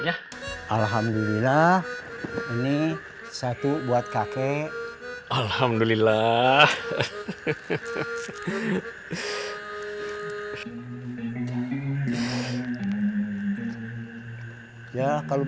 ya udah deh